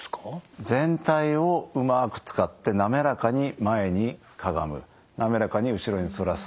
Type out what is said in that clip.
全体をうまく使って滑らかに前にかがむ滑らかに後ろに反らす。